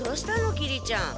きりちゃん。